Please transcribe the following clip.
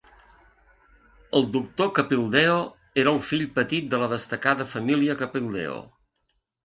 El doctor Capildeo era el fill petit de la destacada família Capildeo.